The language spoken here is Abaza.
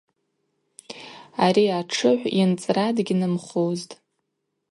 Ари атшыгӏв йынцӏра дгьнымхузтӏ.